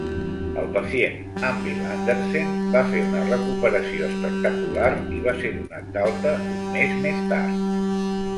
El pacient, Hanvil Andersen, va fer una recuperació espectacular i va ser donat d'alta un mes més tard.